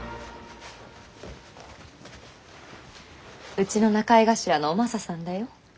うちの仲居頭のおマサさんだよ。